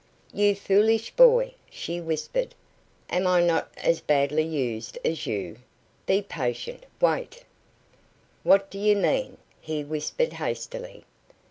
"You foolish boy!" she whispered; "am not I as badly used as you? Be patient. Wait." "What do you mean?" he whispered, hastily.